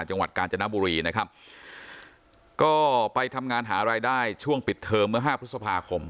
จังหวัดกาญจนบุรีนะครับก็ไปทำงานหารายได้ช่วงปิดเทอมเมื่อห้าพฤษภาคม